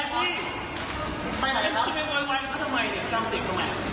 โปรดติดตามตอนต่อไป